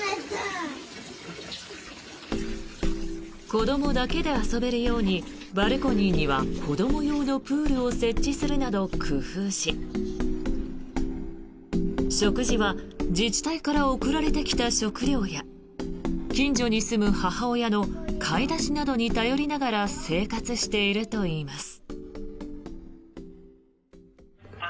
子どもだけで遊べるようにバルコニーには子ども用のプールを設置するなど工夫し食事は自治体から送られてきた食料や近所に住む母親の買い出しなどに頼りながら生活しているといいます。